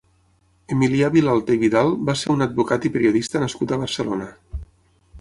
Emilià Vilalta i Vidal va ser un advocat i periodista nascut a Barcelona.